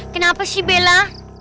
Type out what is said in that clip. kenapa sih bella